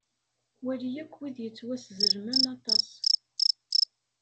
Wali akk wid yettwaszemlen aṭas.